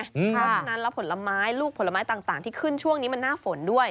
เพราะฉะนั้นแล้วผลไม้ลูกผลไม้ต่างที่ขึ้นช่วงนี้มันหน้าฝนด้วย